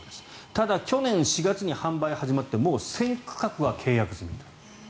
ただ去年４月に販売が始まってもう１０００区画は契約済みと。